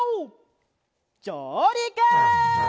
じょうりく！